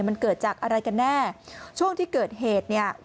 มันเกิดจากอะไรกันแน่ช่วงที่เกิดเหตุเนี่ย